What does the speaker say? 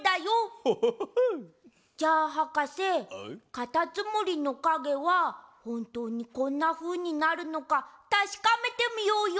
かたつむりのかげはほんとうにこんなふうになるのかたしかめてみようよ。